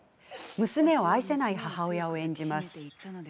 娘を愛せない母親を演じます。